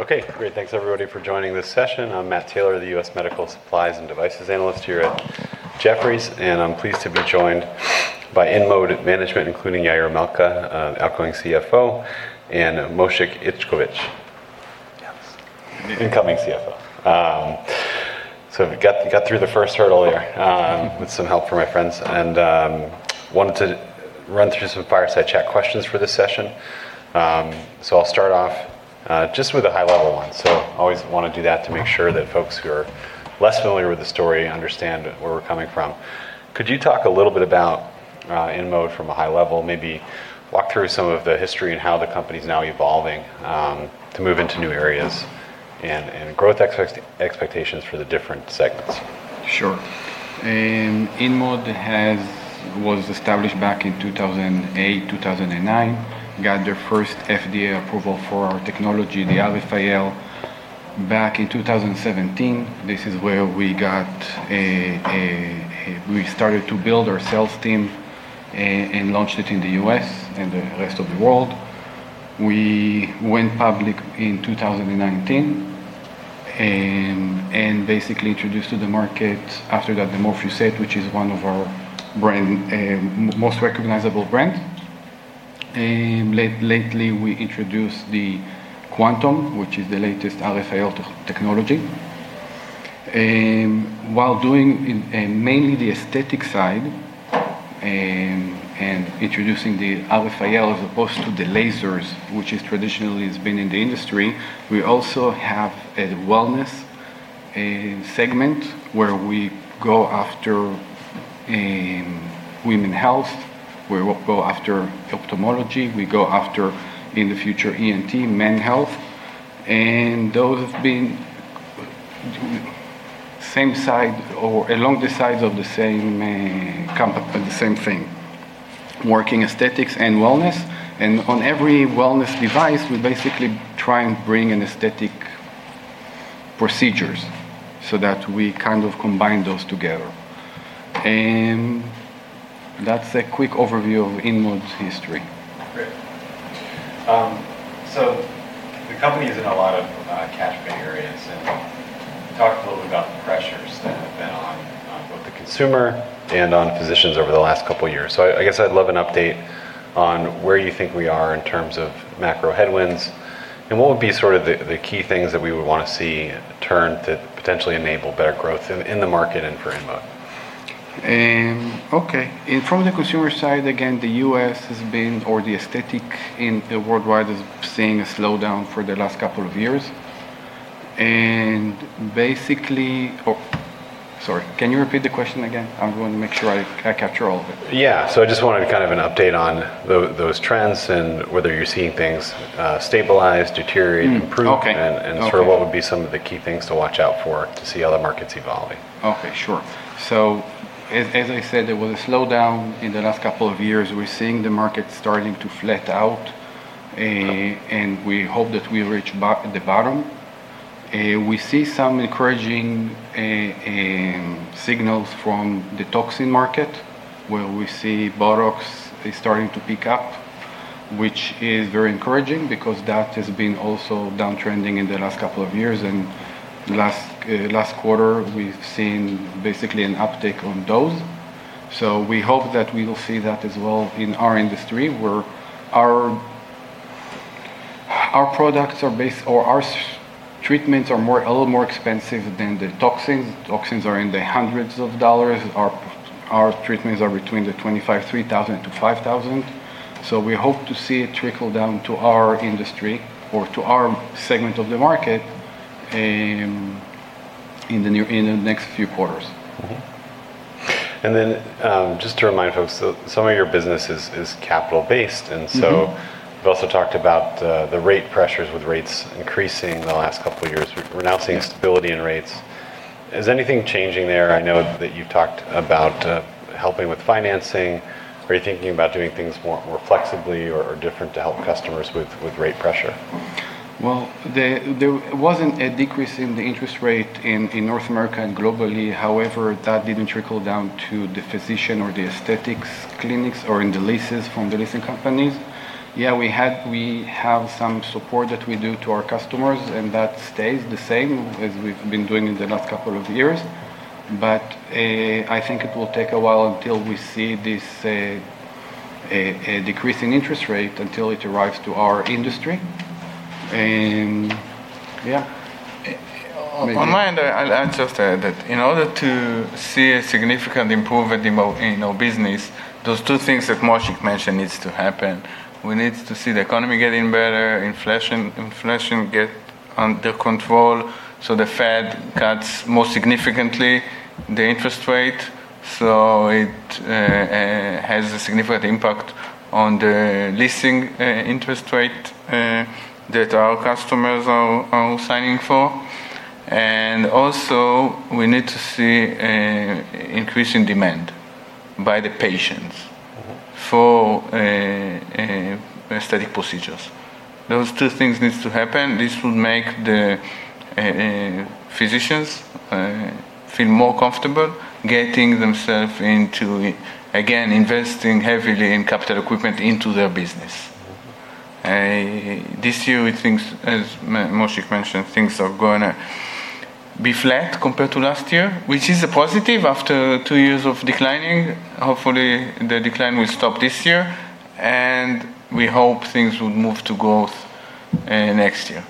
Okay, great. Thanks everybody for joining this session. I'm Matt Taylor, the U.S. medical supplies and devices analyst here at Jefferies, and I'm pleased to be joined by InMode management, including Yair Malca, outgoing CFO, and Moshik Itzkovich. Yes. Incoming CFO. Got through the first hurdle here with some help from my friends, and wanted to run through some fireside chat questions for this session. I'll start off just with a high-level one. Always want to do that to make sure that folks who are less familiar with the story understand where we're coming from. Could you talk a little bit about InMode from a high level? Maybe walk through some of the history and how the company's now evolving to move into new areas, and growth expectations for the different segments. Sure. InMode was established back in 2008, 2009. Got their first FDA approval for our technology, the RFAL, back in 2017. This is where we started to build our sales team and launched it in the U.S. and the rest of the world. We went public in 2019, basically introduced to the market, after that, the Morpheus8, which is one of our most recognizable brand. Lately, we introduced the QuantumRF, which is the latest RFAL technology. While doing mainly the aesthetic side and introducing the RFAL as opposed to the lasers, which traditionally has been in the industry, we also have a wellness segment where we go after women health, we go after ophthalmology, we go after, in the future, ENT, men health. Those have been same side or along the sides of the same company, the same thing. Working aesthetics and wellness. On every wellness device, we basically try and bring an aesthetic procedures so that we kind of combine those together. That's a quick overview of InMode's history. Great. The company is in a lot of cash pay areas, and talk a little bit about the pressures that have been on both the consumer and on physicians over the last couple years. I guess I'd love an update on where you think we are in terms of macro headwinds, and what would be sort of the key things that we would want to see turn to potentially enable better growth in the market and for InMode. Okay. From the consumer side, again, the U.S. has been, or the aesthetic worldwide is seeing a slowdown for the last couple of years. Oh, sorry. Can you repeat the question again? I want to make sure I capture all of it. Yeah. I just wanted kind of an update on those trends and whether you're seeing things stabilize, deteriorate, improve? Okay Sort of what would be some of the key things to watch out for to see how the market's evolving. Okay, sure. As I said, there was a slowdown in the last couple of years. We're seeing the market starting to flat out, and we hope that we reach the bottom. We see some encouraging signals from the toxin market, where we see BOTOX is starting to pick up, which is very encouraging because that has been also downtrending in the last couple of years. Last quarter, we've seen basically an uptick on those. We hope that we will see that as well in our industry, where our treatments are a little more expensive than the toxins. Toxins are in the hundreds of dollars. Our treatments are between $2,500-$5,000. We hope to see it trickle down to our industry or to our segment of the market in the next few quarters. Mm-hmm. Just to remind folks, some of your business is capital based, and so you've also talked about the rate pressures with rates increasing in the last couple of years. We're now seeing stability in rates. Is anything changing there? I know that you've talked about helping with financing. Are you thinking about doing things more flexibly or different to help customers with rate pressure? Well, there wasn't a decrease in the interest rate in North America and globally. That didn't trickle down to the physician or the aesthetics clinics or in the leases from the leasing companies. Yeah, we have some support that we do to our customers, and that stays the same as we've been doing in the last couple of years. I think it will take a while until we see this decreasing interest rate until it arrives to our industry. Yeah. On my end, I'll add just that in order to see a significant improvement in our business, those two things that Moshe mentioned needs to happen. We need to see the economy getting better, inflation get under control, so the Fed cuts more significantly the interest rate, so it has a significant impact on the leasing interest rate that our customers are signing for. Also, we need to see increase in demand by the patients. for aesthetic procedures. Those two things need to happen. This will make the physicians feel more comfortable getting themselves into, again, investing heavily in capital equipment into their business. This year, as Moshe mentioned, things are going to be flat compared to last year, which is a positive after two years of declining. Hopefully, the decline will stop this year, and we hope things will move to growth next year.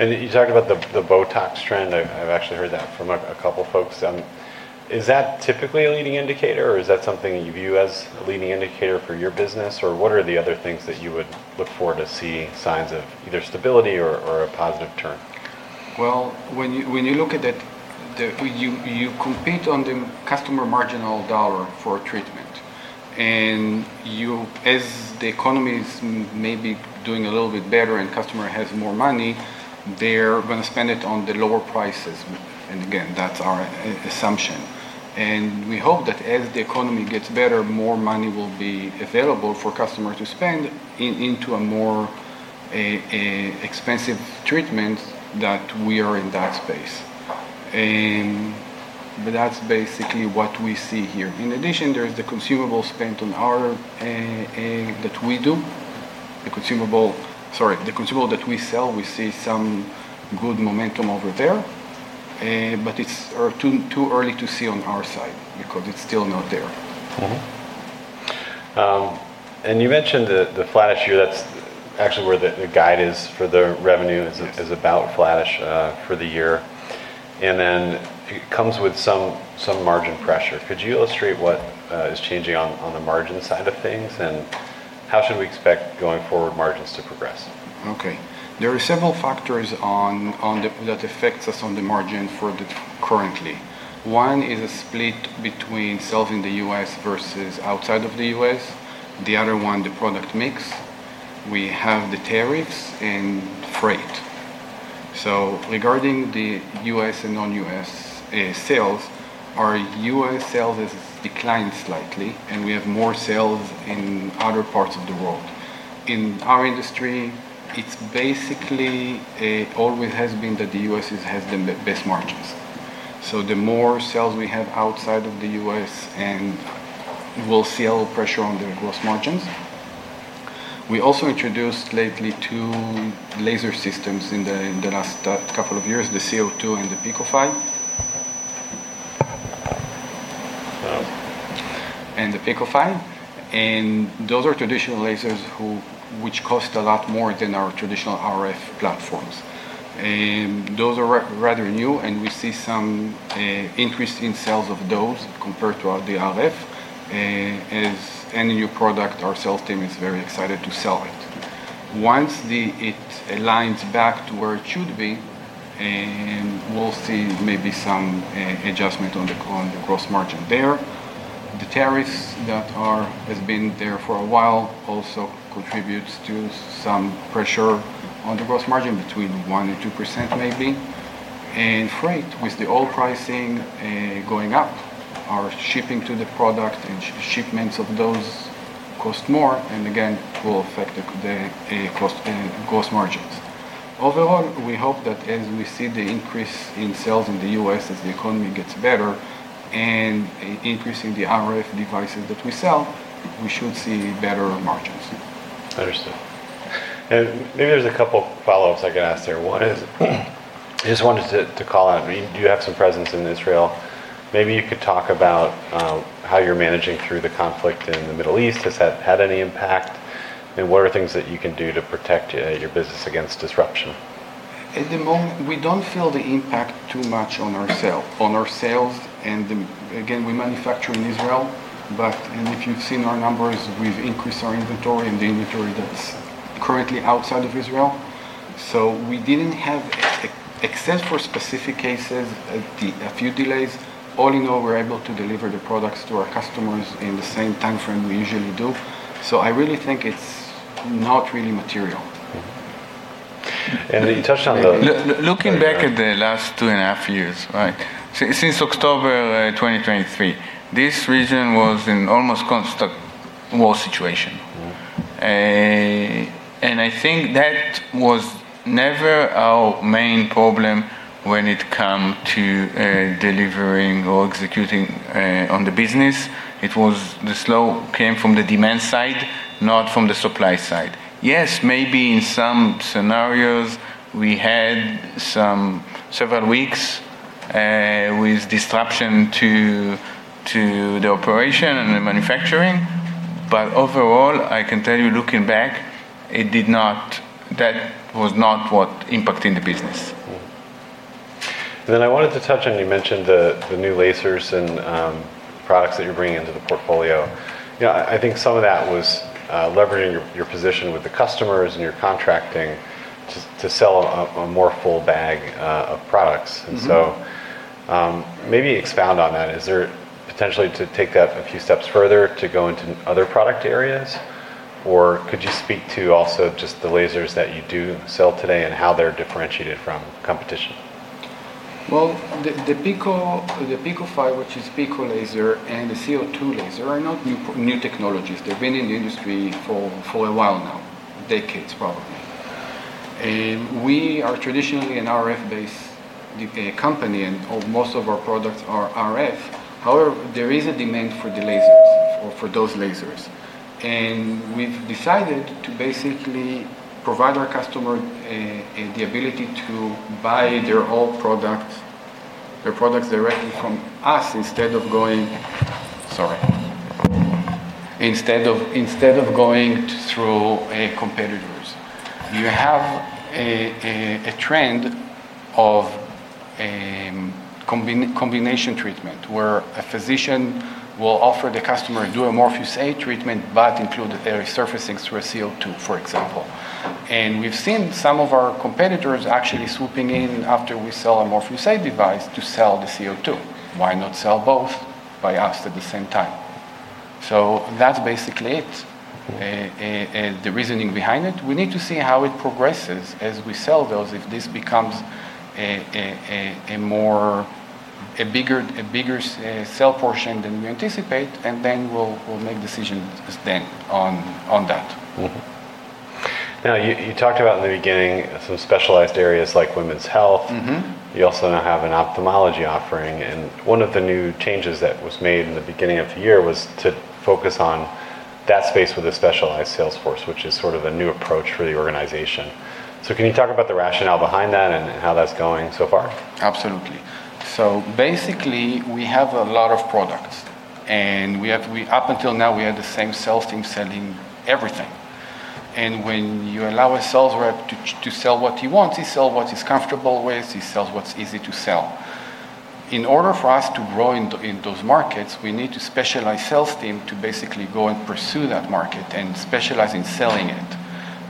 You talked about the BOTOX trend. I've actually heard that from a couple folks. Is that typically a leading indicator, or is that something you view as a leading indicator for your business? What are the other things that you would look for to see signs of either stability or a positive turn? Well, when you look at that, you compete on the customer marginal dollar for a treatment. As the economy is maybe doing a little bit better and customer has more money, they're going to spend it on the lower prices. Again, that's our assumption. We hope that as the economy gets better, more money will be available for customers to spend into a more expensive treatment, that we are in that space. That's basically what we see here. In addition, there is the consumable spent that we do. The consumable, sorry, the consumable that we sell, we see some good momentum over there. It's too early to see on our side because it's still not there. Mm-hmm. You mentioned the flattish year. That's actually where the guide is for the revenue. Yes is about flattish for the year. It comes with some margin pressure. Could you illustrate what is changing on the margin side of things, and how should we expect going forward margins to progress? Okay. There are several factors that affects us on the margin currently. One is a split between selling the U.S. versus outside of the U.S. The other one, the product mix. We have the tariffs and freight. Regarding the U.S. and non-U.S. sales, our U.S. sales has declined slightly, and we have more sales in other parts of the world. In our industry, it's basically always has been that the U.S. has the best margins. The more sales we have outside of the U.S., and we'll see a little pressure on the gross margins. We also introduced lately two laser systems in the last couple of years, the CO2 and the Picofy. Wow. The Picofy. Those are traditional lasers which cost a lot more than our traditional RF platforms. Those are rather new, and we see some increase in sales of those compared to the RF. As any new product, our sales team is very excited to sell it. Once it aligns back to where it should be, we'll see maybe some adjustment on the gross margin there. The tariffs that has been there for a while also contributes to some pressure on the gross margin, between 1% and 2% maybe. Freight, with the oil pricing going up, our shipping to the product and shipments of those cost more, and again, will affect the gross margins. Overall, we hope that as we see the increase in sales in the U.S. as the economy gets better, and increasing the RF devices that we sell, we should see better margins. Understood. Maybe there's a couple follow-ups I could ask there. One is, I just wanted to call out, you have some presence in Israel. Maybe you could talk about how you're managing through the conflict in the Middle East. Has that had any impact? What are things that you can do to protect your business against disruption? At the moment, we don't feel the impact too much on our sales. Again, we manufacture in Israel. If you've seen our numbers, we've increased our inventory and the inventory that's currently outside of Israel. We didn't have, except for specific cases, a few delays. All in all, we're able to deliver the products to our customers in the same timeframe we usually do. I really think it's not really material. Mm-hmm. Looking back at the last two and a half years, right? Since October 2023, this region was in almost constant war situation. I think that was never our main problem when it come to delivering or executing on the business. It was the slow came from the demand side, not from the supply side. Yes, maybe in some scenarios we had several weeks with disruption to the operation and the manufacturing. Overall, I can tell you, looking back, that was not what impacting the business. I wanted to touch on, you mentioned the new lasers and products that you're bringing into the portfolio. I think some of that was leveraging your position with the customers and your contracting to sell a more full bag of products. Maybe expound on that. Is there potentially to take that a few steps further to go into other product areas? Could you speak to also just the lasers that you do sell today and how they're differentiated from competition? Well, the Picofy, which is pico laser, and the CO2 laser are not new technologies. They've been in the industry for a while now. Decades, probably. We are traditionally an RF-based company, and most of our products are RF. However, there is a demand for the lasers or for those lasers. We've decided to basically provide our customer the ability to buy their products directly from us instead of going through competitors. You have a trend of combination treatment where a physician will offer the customer do a Morpheus8 treatment but include resurfacing through a CO2, for example. We've seen some of our competitors actually swooping in after we sell a Morpheus8 device to sell the CO2. Why not sell both by us at the same time? That's basically it. Okay. The reasoning behind it, we need to see how it progresses as we sell those. If this becomes a bigger sell portion than we anticipate, then we'll make decisions then on that. You talked about in the beginning some specialized areas like women's health. You also now have an ophthalmology offering. One of the new changes that was made in the beginning of the year was to focus on that space with a specialized sales force, which is sort of a new approach for the organization. Can you talk about the rationale behind that and how that's going so far? Absolutely. Basically, we have a lot of products, and up until now, we had the same sales team selling everything. When you allow a sales rep to sell what he wants, he sells what he's comfortable with, he sells what's easy to sell. In order for us to grow in those markets, we need a specialized sales team to basically go and pursue that market and specialize in selling it.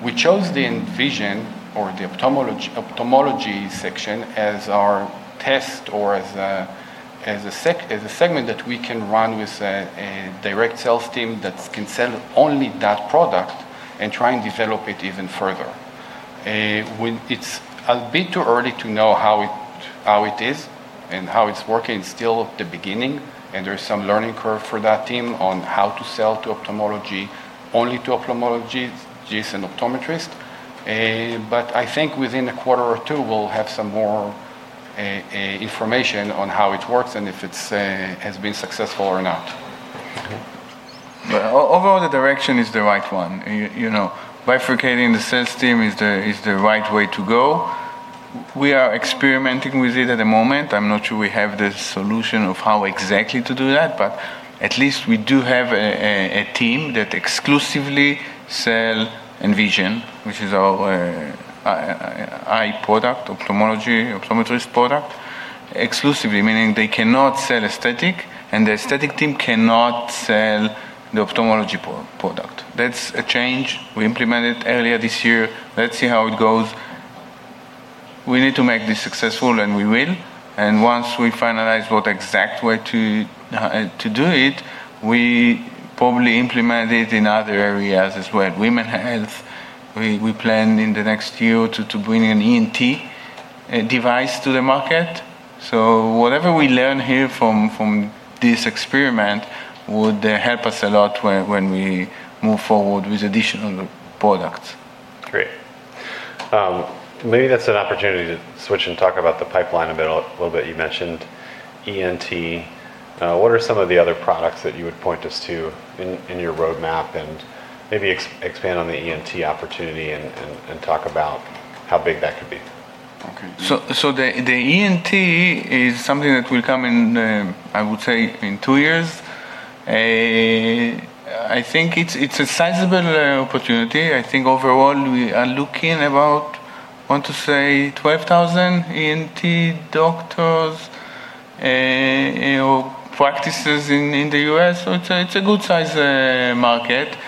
We chose Envision or the ophthalmology section as our test or as a segment that we can run with a direct sales team that can sell only that product and try and develop it even further. It's a bit too early to know how it is and how it's working. It's still at the beginning, there's some learning curve for that team on how to sell to ophthalmology, only to ophthalmologists and optometrists. I think within a quarter or two, we'll have some more information on how it works and if it has been successful or not. Okay. Overall, the direction is the right one. Bifurcating the sales team is the right way to go. We are experimenting with it at the moment. I'm not sure we have the solution of how exactly to do that, but at least we do have a team that exclusively sell Envision, which is our eye product, optometrist product. Exclusively, meaning they cannot sell aesthetic, and the aesthetic team cannot sell the ophthalmology product. That's a change we implemented earlier this year. Let's see how it goes. We need to make this successful, and we will. Once we finalize what exact way to do it, we probably implement it in other areas as well. Women health, we plan in the next year to bring an ENT device to the market. Whatever we learn here from this experiment would help us a lot when we move forward with additional products. Great. Maybe that's an opportunity to switch and talk about the pipeline a little bit. You mentioned ENT. What are some of the other products that you would point us to in your roadmap? Maybe expand on the ENT opportunity and talk about how big that could be. Okay. The ENT is something that will come in, I would say, in two years. I think it's a sizable opportunity. I think overall, we are looking about, want to say, 12,000 ENT doctors or practices in the U.S. It's a good size market.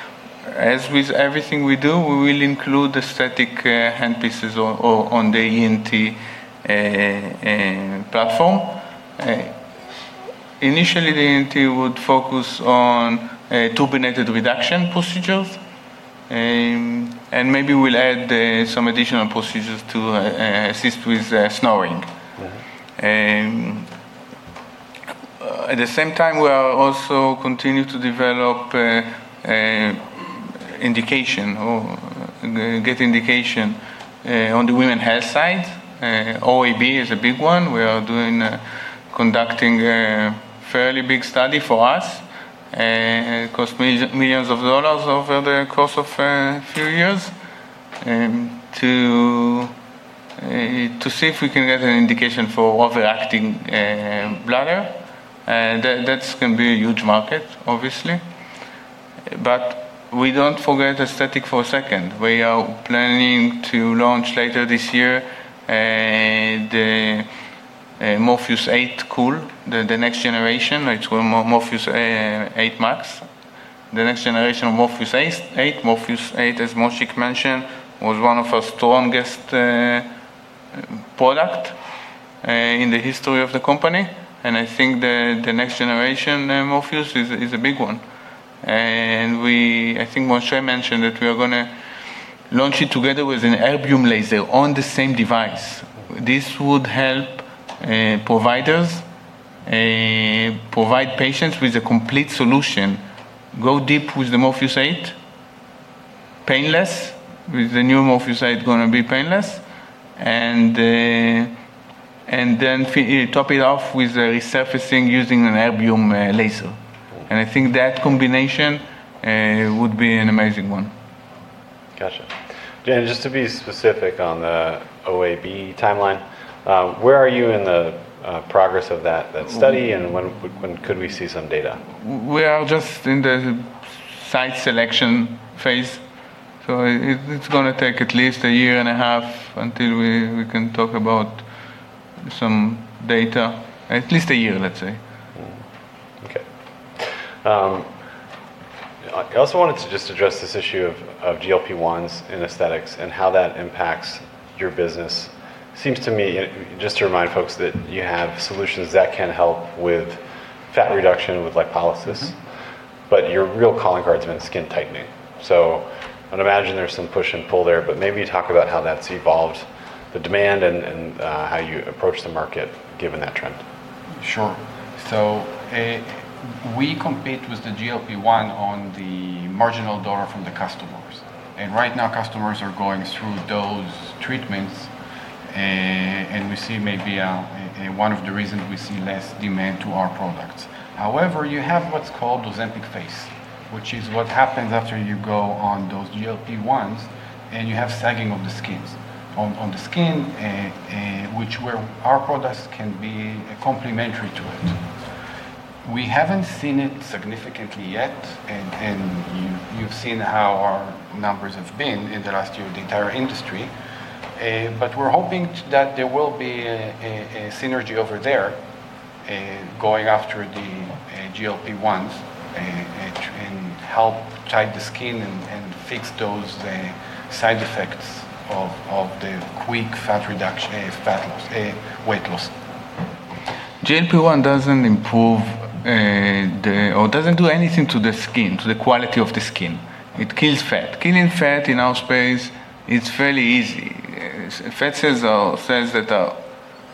As with everything we do, we will include aesthetic hand pieces on the ENT platform. Initially, the ENT would focus on turbinate reduction procedures, and maybe we'll add some additional procedures to assist with snoring. At the same time, we are also continue to develop indication or get indication on the women health side. OAB is a big one. We are conducting a fairly big study for us. It cost millions of dollars over the course of a few years to see if we can get an indication for overactive bladder. That's going to be a huge market, obviously. We don't forget aesthetic for a second. We are planning to launch later this year the Morpheus8 Cool, the next generation. It's called Morpheus8 MAX, the next generation of Morpheus8. Morpheus8, as Moshe mentioned, was one of our strongest product in the history of the company, and I think the next generation Morpheus is a big one. I think Moshe mentioned that we are going to launch it together with an erbium laser on the same device. This would help providers Provide patients with a complete solution. Go deep with the Morpheus8, painless. With the new Morpheus8, it's going to be painless. Top it off with a resurfacing using an erbium laser. I think that combination would be an amazing one. Got you. Dan, just to be specific on the OAB timeline, where are you in the progress of that study, and when could we see some data? We are just in the site selection phase. It's going to take at least a year and a half until we can talk about some data. At least a year, let's say. Okay. I also wanted to just address this issue of GLP-1s in aesthetics and how that impacts your business. Seems to me, just to remind folks, that you have solutions that can help with fat reduction, with lipolysis. Your real calling card's been skin tightening. I'd imagine there's some push and pull there, but maybe talk about how that's evolved, the demand, and how you approach the market given that trend. Sure. We compete with the GLP-1 on the marginal dollar from the customers. Right now, customers are going through those treatments, and we see maybe one of the reasons we see less demand to our products. However, you have what's called Ozempic face, which is what happens after you go on those GLP-1s, and you have sagging of the skin, which where our products can be complementary to it. We haven't seen it significantly yet, and you've seen how our numbers have been in the last year with the entire industry. We're hoping that there will be a synergy over there, going after the GLP-1s, and help tighten the skin and fix those side effects of the quick fat loss, weight loss. GLP-1 doesn't improve or doesn't do anything to the skin, to the quality of the skin. It kills fat. Killing fat, in our space, it's fairly easy. Fat cells are cells that are,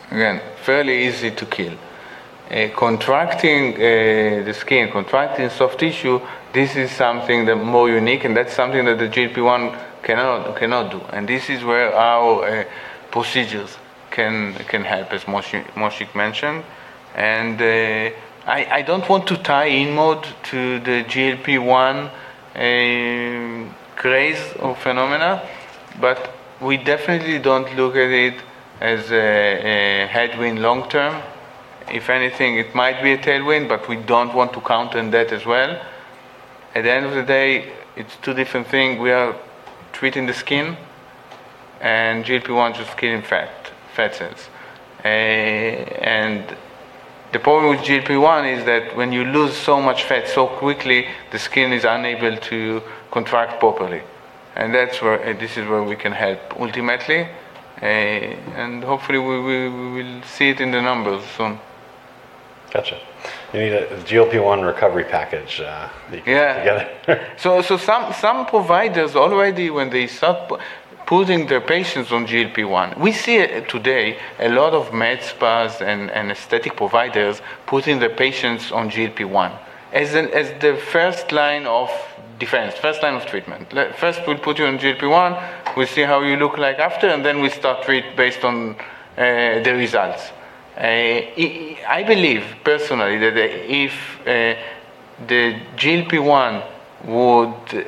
again, fairly easy to kill. Contracting the skin, contracting soft tissue, this is something more unique, and that's something that the GLP-1 cannot do, and this is where our procedures can help, as Moshe mentioned. I don't want to tie InMode to the GLP-1 craze or phenomena, but we definitely don't look at it as a headwind long term. If anything, it might be a tailwind, but we don't want to count on that as well. At the end of the day, it's two different things. We are treating the skin, and GLP-1's just killing fat cells. The problem with GLP-1 is that when you lose so much fat so quickly, the skin is unable to contract properly, and this is where we can help ultimately, and hopefully, we will see it in the numbers soon. Got you. You need a GLP-1 recovery package. Yeah that you can together. Some providers already, when they start putting their patients on GLP-1, we see it today, a lot of med spas and aesthetic providers putting their patients on GLP-1 as the first line of defense, first line of treatment. First, we'll put you on GLP-1. We'll see how you look like after, and then we start treat based on the results. I believe personally, that if the GLP-1 would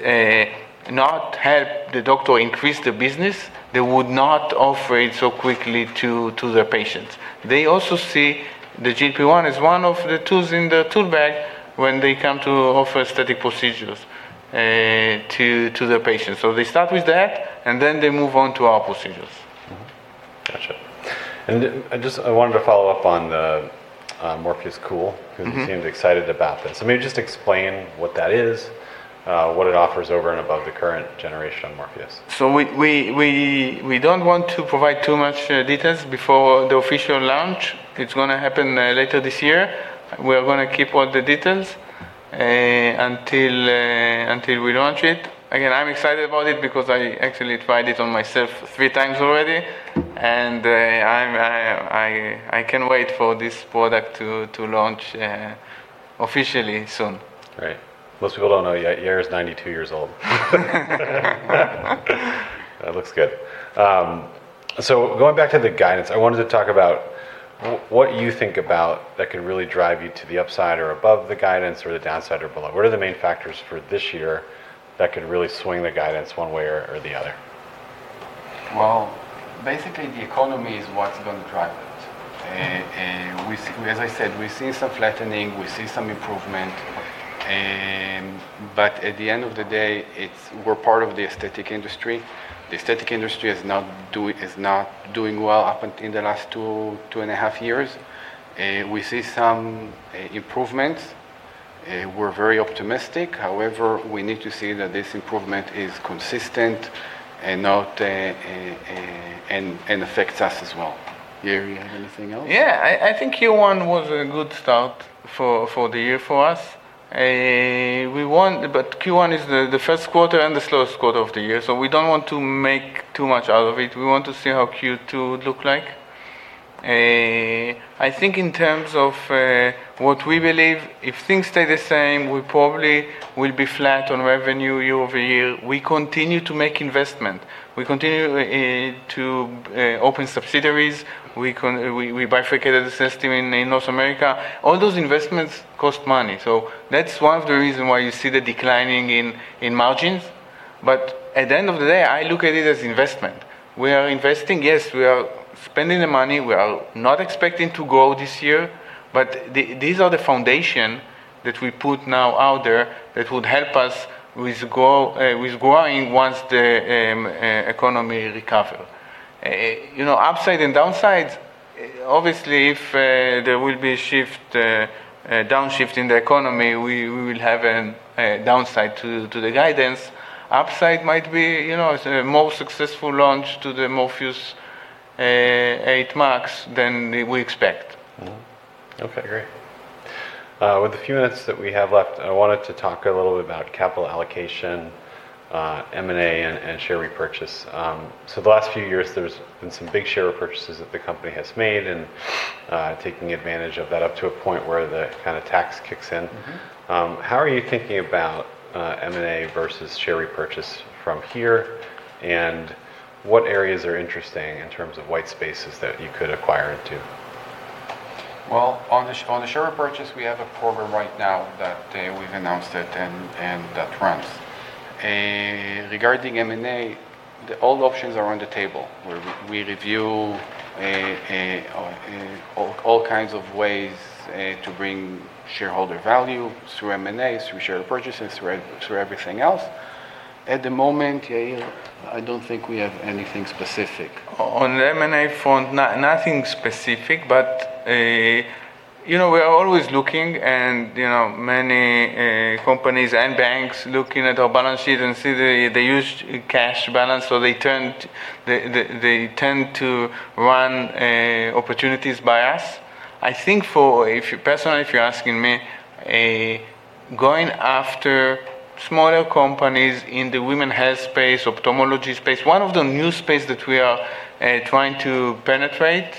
not help the doctor increase their business, they would not offer it so quickly to their patients. They also see the GLP-1 as one of the tools in the tool bag when they come to offer aesthetic procedures to their patients. They start with that, and then they move on to our procedures. Mm-hmm. Got you. I wanted to follow up on the Morpheus8 Cool. because you seemed excited about this. Maybe just explain what that is, what it offers over and above the current generation of Morpheus. We don't want to provide too much details before the official launch. It's going to happen later this year. We're going to keep all the details until we launch it. Again, I'm excited about it because I actually tried it on myself three times already, and I can't wait for this product to launch officially soon. Right. Most people don't know yet, Yair is 92 years old. It looks good. Going back to the guidance, I wanted to talk about what you think about that could really drive you to the upside or above the guidance or the downside or below. What are the main factors for this year that could really swing the guidance one way or the other? Well, basically, the economy is what's going to drive it. As I said, we've seen some flattening, we've seen some improvement. At the end of the day, we're part of the aesthetic industry. The aesthetic industry is not doing well up until the last two and a half years. We see some improvements. We're very optimistic. We need to see that this improvement is consistent and affects us as well. Yair, you have anything else? Yeah. I think Q1 was a good start for the year for us. Q1 is the first quarter and the slowest quarter of the year, so we don't want to make too much out of it. We want to see how Q2 would look like. I think in terms of what we believe, if things stay the same, we probably will be flat on revenue year-over-year. We continue to make investment. We continue to open subsidiaries. We bifurcated the system in North America. All those investments cost money, that's one of the reason why you see the declining in margins. At the end of the day, I look at it as investment. We are investing, yes, we are spending the money. We are not expecting to grow this year, but these are the foundation that we put now out there that would help us with growing once the economy recover. Upside and downsides, obviously, if there will be a downshift in the economy, we will have a downside to the guidance. Upside might be a more successful launch to the Morpheus8 MAX than we expect. Okay, great. With the few minutes that we have left, I wanted to talk a little bit about capital allocation, M&A, and share repurchase. The last few years, there's been some big share repurchases that the company has made and taking advantage of that up to a point where the kind of tax kicks in. How are you thinking about M&A versus share repurchase from here, and what areas are interesting in terms of white spaces that you could acquire into? Well, on the share repurchase, we have a program right now that we've announced it, and that runs. Regarding M&A, all options are on the table, where we review all kinds of ways to bring shareholder value through M&A, through share purchases, through everything else. At the moment, Yair, I don't think we have anything specific. On the M&A front, nothing specific, but we are always looking, and many companies and banks looking at our balance sheet and see the huge cash balance, so they tend to run opportunities by us. I think for, personally if you're asking me, going after smaller companies in the women health space, ophthalmology space, one of the new space that we are trying to penetrate,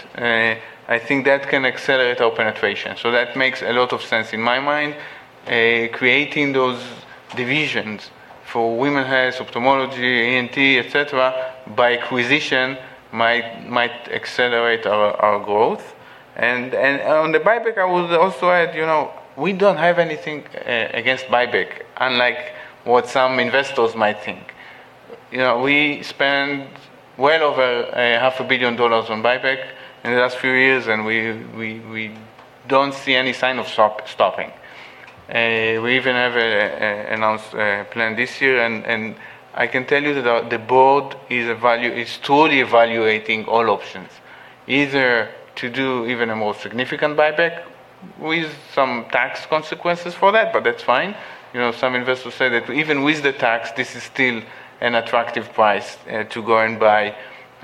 I think that can accelerate our penetration. That makes a lot of sense in my mind. Creating those divisions for women health, ophthalmology, ENT, et cetera, by acquisition might accelerate our growth. On the buyback, I would also add, we don't have anything against buyback, unlike what some investors might think. We spent well over half a billion dollars on buyback in the last few years. We don't see any sign of stopping. We even have announced a plan this year. I can tell you that the board is truly evaluating all options, either to do even a more significant buyback with some tax consequences for that's fine. Some investors say that even with the tax, this is still an attractive price to go and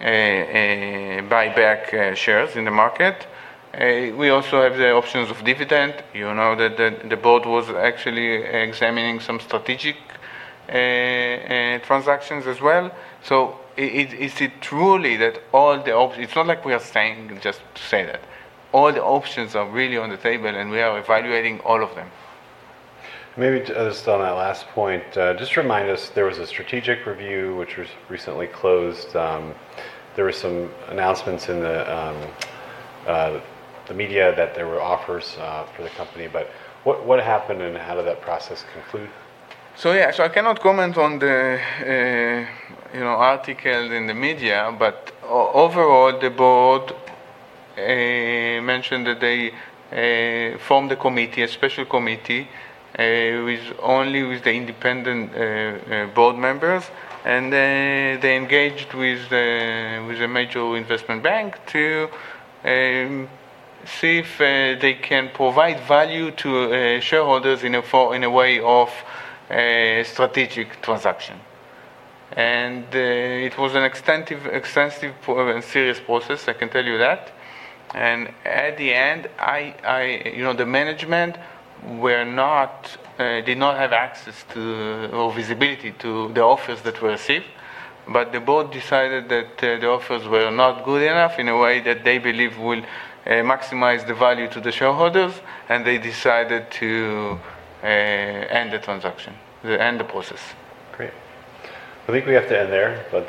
buy back shares in the market. We also have the options of dividend. You know that the board was actually examining some strategic transactions as well. It's not like we are saying just to say that. All the options are really on the table, and we are evaluating all of them. Maybe just on that last point, just remind us, there was a strategic review, which was recently closed. There were some announcements in the media that there were offers for the company. What happened and how did that process conclude? Yeah. I cannot comment on the articles in the media, but overall, the board mentioned that they formed a committee, a special committee, only with the independent board members. They engaged with a major investment bank to see if they can provide value to shareholders in a way of a strategic transaction. It was an extensive and serious process, I can tell you that. At the end, the management did not have access to or visibility to the offers that were received, but the board decided that the offers were not good enough in a way that they believe will maximize the value to the shareholders, and they decided to end the transaction, end the process. Great. I think we have to end there, but thank you